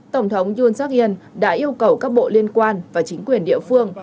yoon seok hyun đã yêu cầu các bộ liên quan và chính quyền địa phương